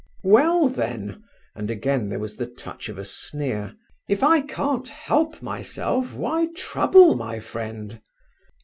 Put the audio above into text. "Well, then"—and again there was the touch of a sneer—"if I can't help myself, why trouble, my friend?"